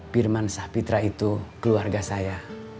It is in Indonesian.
firman syah fitra itu keluarga saya